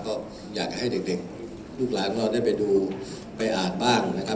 ก็อยากให้เด็กลูกหลานของเราได้ไปดูไปอ่านบ้างนะครับ